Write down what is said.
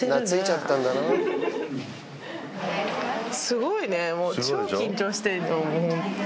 すごいねもう超緊張してホントに。